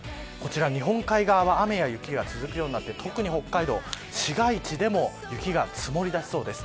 日本海側は雨や雪が続くようになって、特に北海道市街地でも雪が積もりだしそうです。